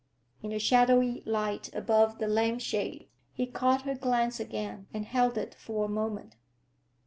In the shadowy light above the lampshade he caught her glance again and held it for a moment.